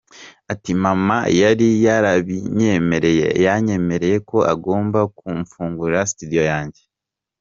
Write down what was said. Ati “Mama yari yarabinyemereye, yanyemereye ko agomba kumfungurira studio yanjye.